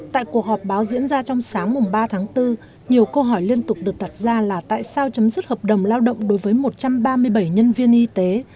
tại cuộc họp báo diễn ra trong sáng ba tháng bốn nhiều câu hỏi liên tục được đặt ra là tại sao chấm dứt hợp đồng lao động đối với một trăm ba mươi bảy nhân viên y tế